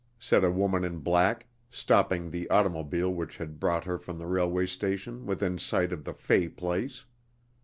said a woman in black, stopping the automobile which had brought her from the railway station within sight of the Fay place.